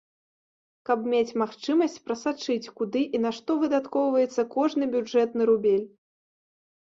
Каб мець магчымасць прасачыць, куды і на што выдаткоўваецца кожны бюджэтны рубель.